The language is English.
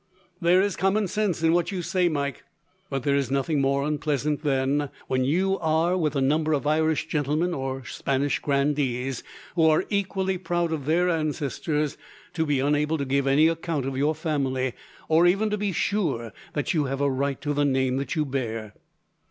"There is common sense in what you say, Mike, but there is nothing more unpleasant than, when you are with a number of Irish gentlemen or Spanish grandees, who are equally proud of their ancestors, to be unable to give any account of your family, or even to be sure that you have a right to the name that you bear."